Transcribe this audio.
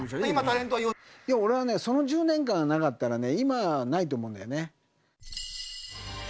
俺はね、その１０年間がなかったらね、今はないと思うんだよね。